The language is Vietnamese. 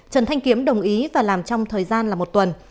trần thanh kiếm đồng ý và làm trong thời gian là một tuần